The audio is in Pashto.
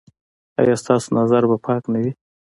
ایا ستاسو نظر به پاک نه وي؟